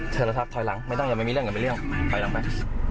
ชับท้อยหลังไม่ต้องจะไม่มีเรื่องอะไรเรื่องขยับไป